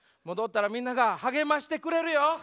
戻ったらみんなが励ましてくれるよ！